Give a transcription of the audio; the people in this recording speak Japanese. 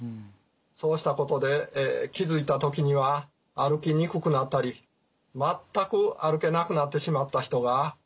そうしたことで気づいた時には歩きにくくなったり全く歩けなくなってしまった人が出てきたのだと思います。